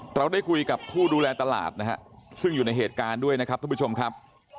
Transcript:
เราได้คุยกับผู้ดูแลตลาดนะฮะซึ่งอยู่ในเหตุการณ์ด้วยนะครับท่านผู้ชมครับ